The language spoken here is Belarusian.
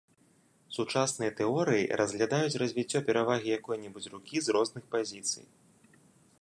Сучасныя тэорыі разглядаюць развіццё перавагі якой-небудзь рукі з розных пазіцый.